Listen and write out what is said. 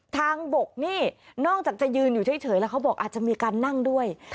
ทางบกนี่นอกจากจะยืนอยู่เฉยแล้วเขาบอกอาจจะมีการนั่งด้วย